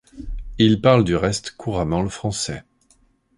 Il parle du reste couramment le français.